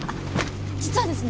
実はですね。